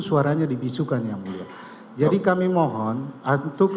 suaranya dibisukan yang mulia jadi kami mohon untuk